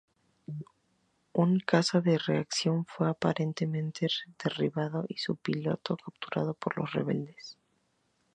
Un caza de reacción fue aparentemente derribado y su piloto capturado por los rebeldes.